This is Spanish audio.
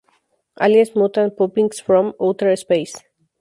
Aliens: Mutant Pumpkins From Outer Space.